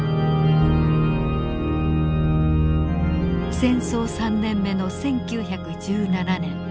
戦争３年目の１９１７年。